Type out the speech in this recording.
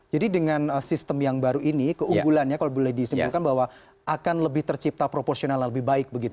jadi dengan sistem yang baru ini keunggulannya kalau boleh disimpulkan bahwa akan lebih tercipta proporsional yang lebih baik begitu